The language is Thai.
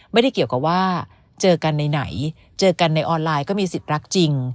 ไม่ได้เกี่ยวกับว่าเจอกันไหนเจอกันในออนไลน์ก็มีสิทธิ์รักจริง